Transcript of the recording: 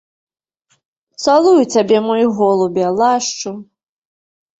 Цалую цябе, мой голубе, лашчу.